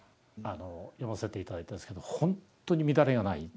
読ませて頂いたんですけど本当に乱れがないですね静かな。